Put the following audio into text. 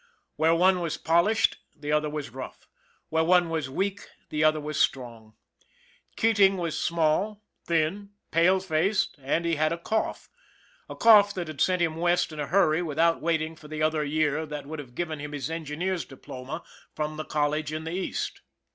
Where one was pol ished the other was rough; where one was weak the other was strong. Keating was small, thin, pale faced, and he had a cough a cough that had sent him West in a hurry without waiting for the other year that would have given him his engineer's diploma from the college in the East.